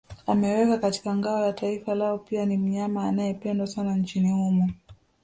Amewekwa katika ngao ya taifa lao pia ni mnyama anayependwa sana nchini humo